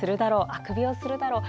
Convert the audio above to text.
あくびをするだろう。